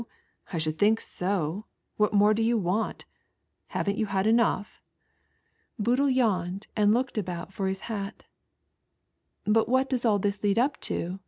I should think so. What more do you 24 ONLY A GHOST. want? Haven't you had enough?" Boodle yawned and looked about for his hat. " But what does all this lead up to?"